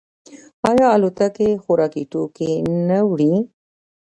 آیا الوتکې خوراکي توکي نه وړي؟